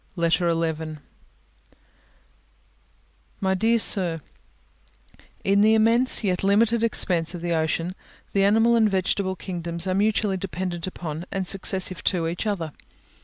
LETTER XI My dear Sir, In the immense, yet limited expanse of the ocean, the animal and vegetable kingdoms are mutually dependent upon, and successive to each other.